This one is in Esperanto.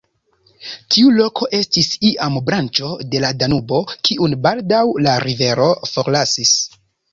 Tiu loko estis iam branĉo de la Danubo, kiun baldaŭ la rivero forlasis.